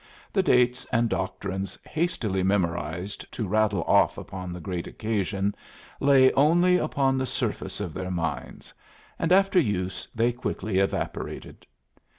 The dates and doctrines, hastily memorized to rattle off upon the great occasion, lay only upon the surface of their minds, and after use they quickly evaporated.